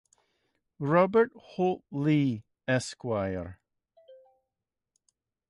Robert Holt Leigh Esq.